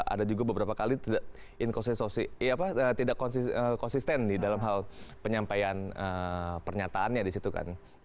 ada juga beberapa kali tidak konsisten di dalam hal penyampaian pernyataannya di situ kan